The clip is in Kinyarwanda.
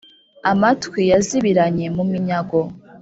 amatwi yazibiranye mu minyago,